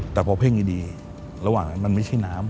แต่พอเพ่งดีระหว่างนั้นมันไม่ใช่น้ำ